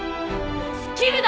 スキルだ！